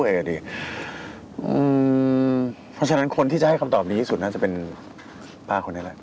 เพราะฉะนั้นคนที่จะให้คำตอบดีที่สุดน่าจะเป็นป้าคนนี้แหละ